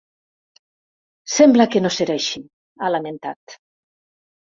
“Sembla que no serà així”, ha lamentat.